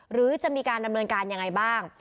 หรือจะมีการดำเนินการยังไงบ้าง